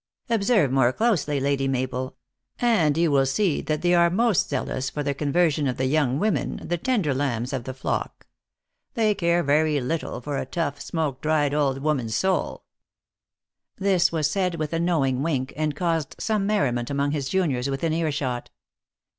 " Observe more closely, Lady Mabel, and you will see that they are most zea lous for the conversion of the young women, the tender lambs of the flock. They care little for a tough, smoke dried, old woman s THE ACTEESS IN HIGH LIFE. 39 soul." This was said with a knowing wink, and caus ed some merriment among his juniors within ear shot.